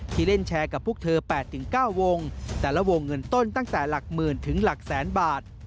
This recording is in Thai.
เล่นแชร์กับพวกเธอ๘๙วงแต่ละวงเงินต้นตั้งแต่หลักหมื่นถึงหลักแสนบาท